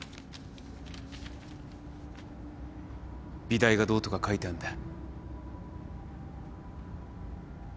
美大がどうとか書いてあんだ。